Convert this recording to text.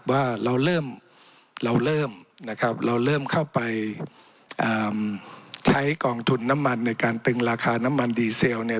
ว่าเราเริ่มเราเริ่มนะครับเราเริ่มเข้าไปใช้กองทุนน้ำมันในการตึงราคาน้ำมันดีเซลเนี่ย